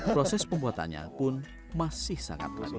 proses pembuatannya pun masih sangat ragu